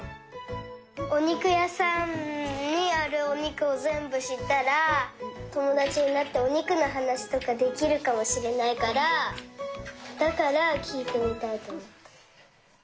おにくやさんにあるおにくをぜんぶしったらともだちになっておにくのはなしとかできるかもしれないからだからきいてみたいとおもった。